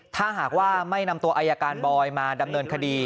ถ้าหากว่าไม่นำตัวอายการบอยมาดำเนินคดี